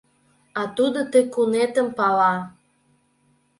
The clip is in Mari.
А тудо ты кунетым пала.